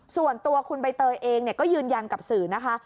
ส่วนตัวคุณใบเตยเองก็ยืนยันกับสื่อนะคะ